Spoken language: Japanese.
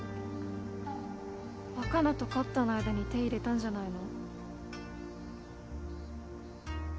若菜とカッターの間に手入れたんじゃないの？